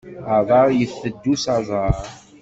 Aḍar yetteddu s aẓar.